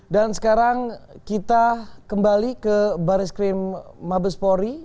dan sekarang kita kembali ke baris krim mabespori